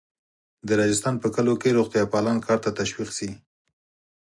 د راجستان په کلیو کې روغتیاپالان کار ته تشویق شي.